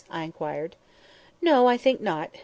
I inquired. "No, I think not.